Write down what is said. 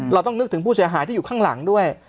เราต้องนึกถึงผู้เสียหายที่อยู่ข้างหลังด้วย